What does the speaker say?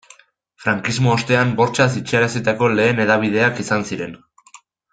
Frankismo ostean bortxaz itxiarazitako lehen hedabideak izan ziren.